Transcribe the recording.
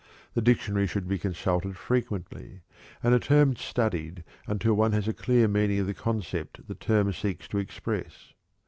The dictionary should be consulted frequently, and a term studied until one has a clear meaning of the concept the term seeks to express.